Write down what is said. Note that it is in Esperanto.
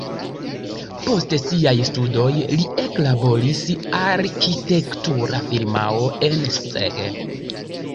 Post siaj studoj li eklaboris arkitektura firmao en Szeged.